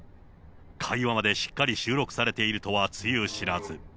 会話までしっかり収録しているとはつゆ知らず。